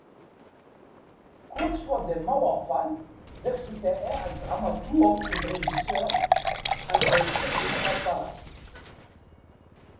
Kurz vor dem Mauerfall wechselte er als Dramaturg und Regisseur an den Friedrichstadt-Palast.